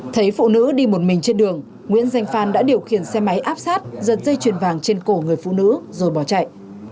thấy phụ nữ đi một mình trên đường nguyễn danh phan đã điều khiển xe máy áp sát giật dây chuyền vàng trên cổ người phụ nữ rồi bỏ chạy